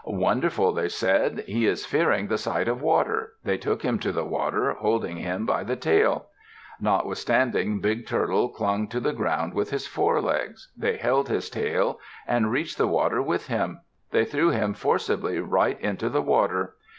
"Wonderful!" they said. "He is fearing the sight of water." They took him to the water, holding him by the tail. Notwithstanding Big Turtle clung to the ground with his forelegs, they held his tail, and reached the water with him. They threw him forcibly right into the water.